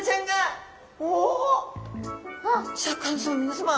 おおシャーク香音さま皆さま